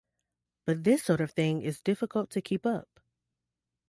But this sort of thing is difficult to keep up.